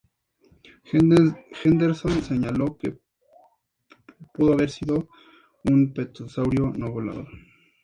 Henderson señaló que pudo haber sido un pterosaurio no volador.